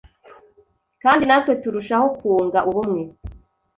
kandi natwe turushaho kunga ubumwe.”